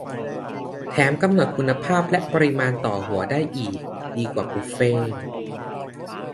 - แถมกำหนดคุณภาพและปริมาณต่อหัวได้อีก ดีกว่าบุฟเฟต์